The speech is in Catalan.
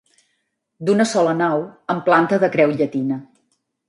D'una sola nau amb planta de creu llatina.